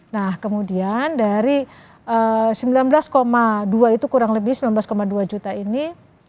nah kemudian dari sembilan belas dua itu kurang lebih sembilan belas dua juta ini